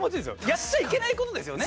やっちゃいけないことですよね。